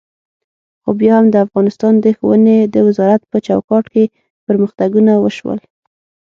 خو بیا هم د افغانستان د ښوونې د وزارت په چوکاټ کې پرمختګونه وشول.